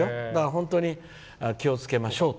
本当に気をつけましょうと。